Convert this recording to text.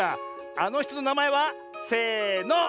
あのひとのなまえはせの。